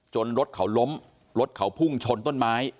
รถเขาล้มรถเขาพุ่งชนต้นไม้